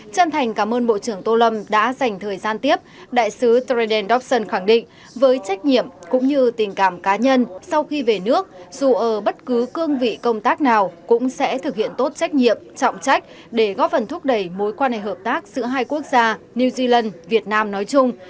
chân thành cảm ơn bộ trưởng tô lâm đã dành thời gian tiếp đại sứ treden dobson khẳng định với trách nhiệm cũng như tình cảm cá nhân sau khi về nước dù ở bất cứ cương vị công tác nào cũng sẽ thực hiện tốt trách nhiệm trọng trách để góp phần thúc đẩy mối quan hệ hợp tác giữa hai quốc gia new zealand việt nam nói chung